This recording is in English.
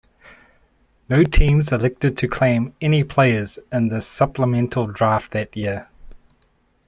No teams elected to claim any players in the supplemental draft that year.